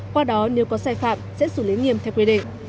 qua đó nếu có sai phạm sẽ xử lý nghiêm theo quy định